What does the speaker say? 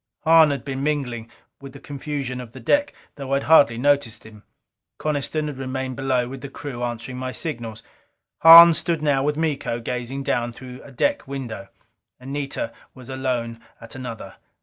Hahn had been mingling with the confusion of the deck though I had hardly noticed him. Coniston had remained below with the crew answering my signals. Hahn stood now with Miko, gazing down through a deck window. Anita was alone at another.